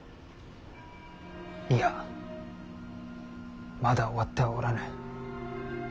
いやまだ終わってはおらぬ。